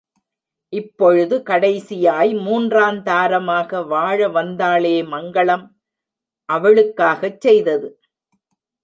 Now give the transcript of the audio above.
இப்பொழுது கடைசியாய் மூன்றாந்தாரமாக வாழவந்தாளே மங்களம், அவளுக்காகச் செய்தது.